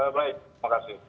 baik terima kasih